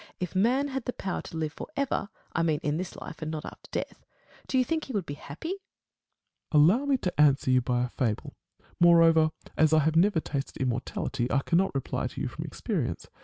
If man had the power to live for ever, I mean in this life and not after death, do you think he would be happy ? Met. Allow me to answer you by a fable. Moreover, as I have never tasted immortality, I cannot reply to you from experience.